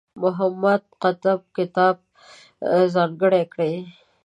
محمد قطب کتاب ځانګړی کړی.